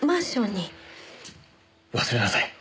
忘れなさい。